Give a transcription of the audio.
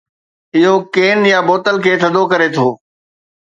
اهو ڪين يا بوتل کي ٿڌو ڪري ٿو.